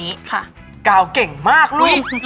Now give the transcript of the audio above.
เออบางอย่างจะทำพิมพ์ไม่ทัน